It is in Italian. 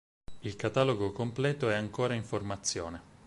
Il catalogo completo è ancora in formazione.